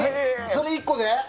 それ１個で？